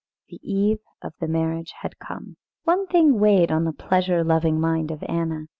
The eve of the marriage had come. One thing weighed on the pleasure loving mind of Anna.